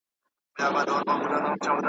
مرګه مه را ځه وختي دی، څو پیالې لا تشومه ,